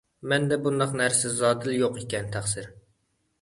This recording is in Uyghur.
مەندە بۇنداق نەرسە زادىلا يوق ئىكەن، تەقسىر.